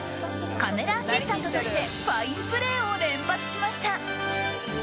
カメラアシスタントとしてファインプレーを連発しました。